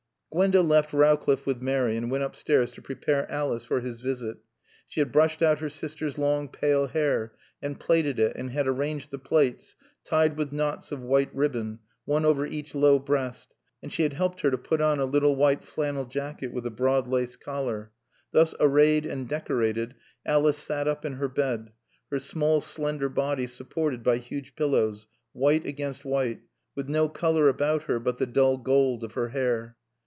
Gwenda left Rowcliffe with Mary and went upstairs to prepare Alice for his visit. She had brushed out her sister's long pale hair and platted it, and had arranged the plats, tied with knots of white ribbon, one over each low breast, and she had helped her to put on a little white flannel jacket with a broad lace collar. Thus arrayed and decorated, Alice sat up in her bed, her small slender body supported by huge pillows, white against white, with no color about her but the dull gold of her hair.